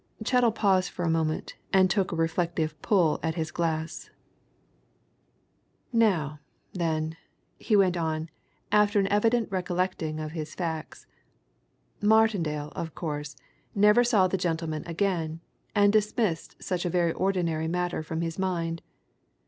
Chettle paused for a moment, and took a reflective pull at his glass. "Now, then," he went on, after an evident recollecting of his facts, "Martindale, of course, never saw the gentleman again, and dismissed such a very ordinary matter from his mind.